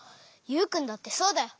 ユウくんだってそうだよ！